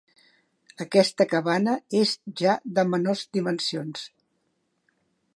Aquesta cabana és ja de menors dimensions.